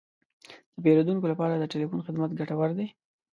د پیرودونکو لپاره د تلیفون خدمت ګټور دی.